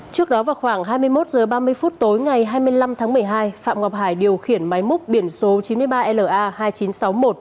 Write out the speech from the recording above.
trước đó vào khoảng hai mươi một h ba mươi phút tối ngày hai mươi năm tháng một mươi hai phạm ngọc hải điều khiển máy múc biển số chín mươi ba la hai nghìn chín trăm sáu mươi một